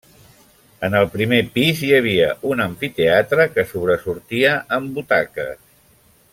En el primer pis hi havia un amfiteatre que sobresortia, amb butaques.